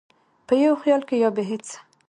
په یو خیال کې یا بې هېڅه،